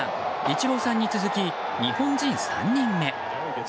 イチローさんに続き日本人３人目。